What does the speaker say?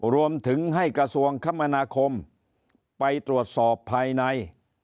รวมถึงให้กระทรวงคมนาคมไปตรวจสอบภายใน